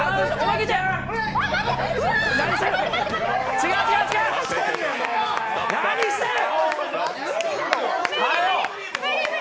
違う、違う、違う、何してる？